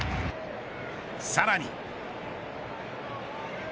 さらに。